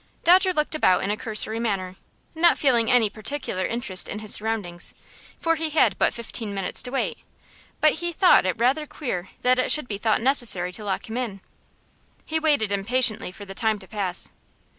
Dodger looked about in a cursory manner, not feeling any particular interest in his surroundings, for he had but fifteen minutes to wait, but he thought it rather queer that it should be thought necessary to lock him in. He waited impatiently for the time to pass.